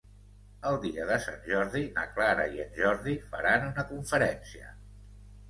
El dia de Sant Jordi, na Clara i en Jordi faran una conferència